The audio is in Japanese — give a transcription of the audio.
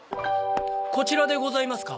こちらでございますか？